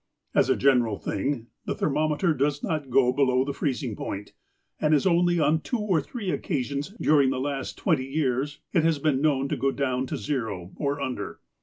As a general thing, the thermometer does not go below the freezing point, and it is only on two or three occasions during the last twenty years, it has been known to go down to zero, or under.